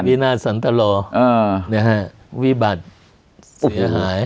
วินาสันตรอวิบัติเสียหาย